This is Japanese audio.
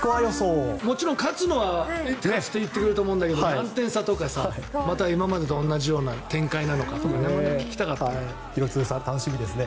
もちろん勝つとは言ってくれると思うんだけど何点差とかまた今までと同じような展開なのかとか廣津留さん楽しみですね。